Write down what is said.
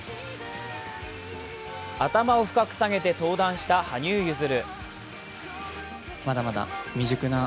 頭を深く下げて登壇した羽生結弦。